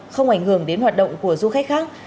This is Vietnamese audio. không ảnh hưởng đến hoạt động của du khách khác